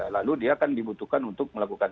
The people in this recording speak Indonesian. lalu dia akan dibutuhkan untuk melakukan